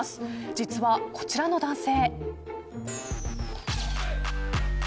実はこちらの男性。